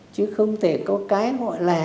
chứ không thể có cái gọi là